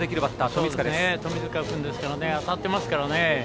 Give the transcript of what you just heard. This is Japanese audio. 富塚君は当たってますからね。